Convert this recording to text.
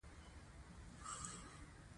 چنګلونه د افغانستان د موسم د بدلون سبب کېږي.